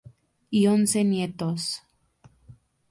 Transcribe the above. Y once nietos